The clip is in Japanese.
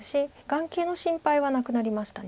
眼形の心配はなくなりました。